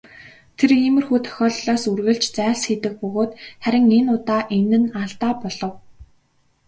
Тэр иймэрхүү тохиолдлоос үргэлж зайлсхийдэг бөгөөд харин энэ удаа энэ нь алдаа болов.